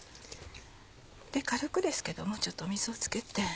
軽くですけどもちょっと水をつけて。